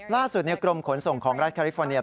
ล่าสุดในกรมขนส่งของรัฐคาลิฟอร์เนีย